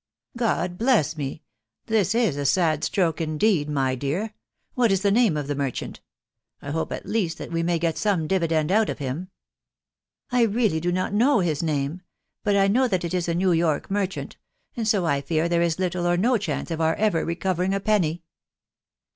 " God bless me!... This is a sad stroke indeed, my dear ! What is the name of this merchant ?••. I hope, at least, that we may get some dividend out of him." " I really do not know his name, but I know that it is a New York merchant, and so I fear there is little or no chance of our ever recovering a penny."